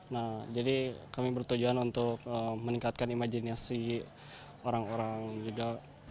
nah jadi kami bertujuan untuk meningkatkan imajinasi orang orang juga